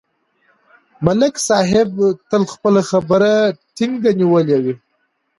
ملک صاحب تل خپله خبره ټینګه نیولې وي